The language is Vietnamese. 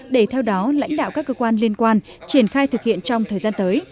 để theo đó lãnh đạo các cơ quan liên quan triển khai thực hiện trong thời gian tới